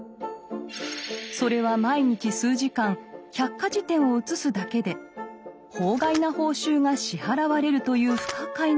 それは毎日数時間百科事典を写すだけで法外な報酬が支払われるという不可解なものでした。